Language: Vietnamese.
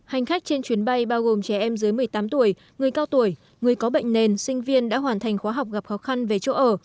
hành khách trên chuyến bay bao gồm trẻ em dưới một mươi tám tuổi người cao tuổi người có bệnh nền sinh viên đã hoàn thành khóa học gặp khó khăn về chỗ ở